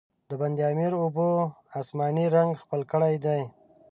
د بند امیر اوبو، آسماني رنګ خپل کړی دی.